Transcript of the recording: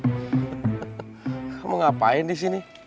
kamu ngapain di sini